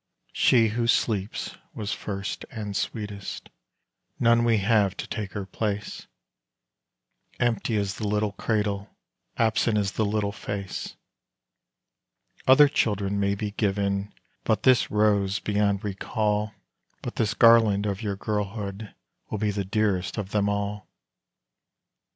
She who sleeps was first and sweetest none we have to take her place; Empty is the little cradle absent is the little face. Other children may be given; but this rose beyond recall, But this garland of your girlhood, will be dearest of them all.